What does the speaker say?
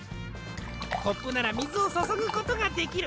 コップならみずをそそぐことができる。